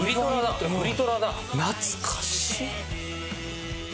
懐かしい！